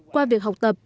qua việc học tập